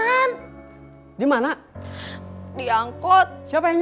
kalau bukan dari hasil nyopetnya